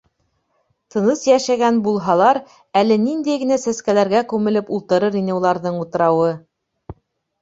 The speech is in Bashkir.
Тыныс йәшәгән булһалар, әле ниндәй генә сәскәләргә күмелеп ултырыр ине уларҙың утрауы!